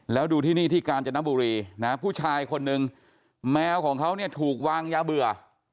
แล้วดูที่นี่ที่กาญจนบุรีนะผู้ชายคนนึงแมวของเขาเนี่ยถูกวางยาเบื่อ